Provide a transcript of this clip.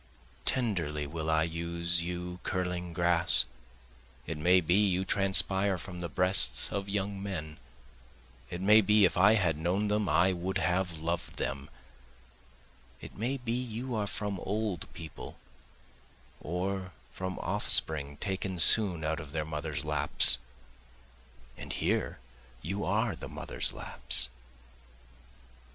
Tenderly will I use you curling grass, It may be you transpire from the breasts of young men, It may be if I had known them I would have loved them, It may be you are from old people, or from offspring taken soon out of their mothers' laps, And here you are the mothers' laps.